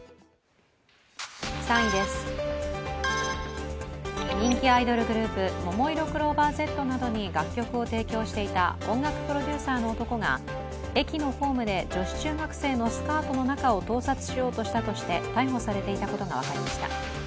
３位です、人気アイドルグループももいろクローバーＺなどに楽曲を提供していた音楽プロデューサーの男が駅のホームで女子中学生のスカートの中を盗撮しようとしたとして逮捕されていたことが分かりました。